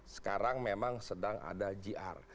sekarang memang sedang ada gr